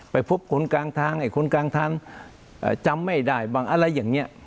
ไปพบคนกลางทางไอ้คนกลางทางจำไม่ได้บ้างอะไรอย่างนี้